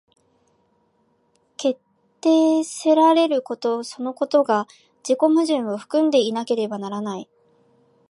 決定せられることそのことが自己矛盾を含んでいなければならない。